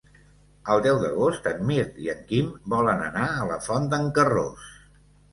El deu d'agost en Mirt i en Quim volen anar a la Font d'en Carròs.